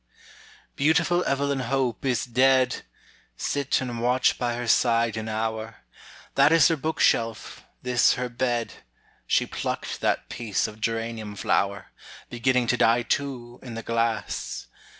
Beautiful Evelyn Hope is dead! Sit and watch by her side an hour. That is her book shelf, this her bed; She plucked that piece of geranium flower, Beginning to die too, in the glass.